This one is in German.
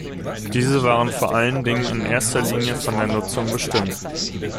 Diese waren vor allen Dingen in erster Linie von der Nutzung bestimmt.